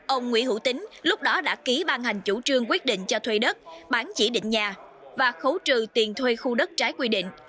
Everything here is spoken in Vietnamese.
ông nguyễn hữu tính lúc đó đã ký ban hành chủ trương quyết định cho thuê đất bán chỉ định nhà và khấu trừ tiền thuê khu đất trái quy định